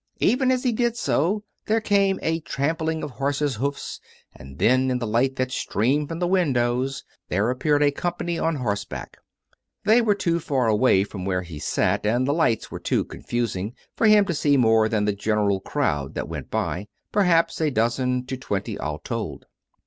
Even as he did so there came a trampling of horses' hoofs; and then, in the light that streamed from the windows, there COME RACK! COME ROPE! 349 appeared a company on horseback. They were too far away from where he sat, and the lights were too confusing, for him to see more than the general crowd that went by — perhaps from a dozen to twenty all told.